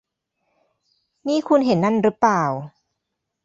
นี่ คุณเห็นนั่นรึเปล่า